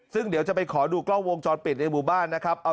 ซึ่งเดี๋ยวจะไปขอดูกล้องวงจรปิดในหมู่บ้านนะครับ